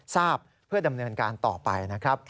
ทราบเพื่อดำเนินการต่อไป